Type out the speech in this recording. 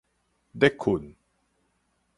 咧睏